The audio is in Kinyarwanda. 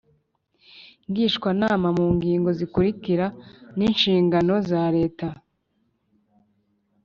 Ngishwanama mu ngingo zikurikira n inshingano za leta